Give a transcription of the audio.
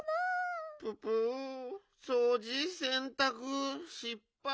ププそうじせんたくしっぱい。